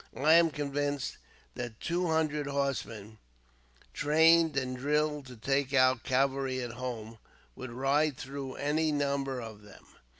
I am convinced that two hundred horsemen, trained and drilled like our cavalry at home, would ride through any number of them.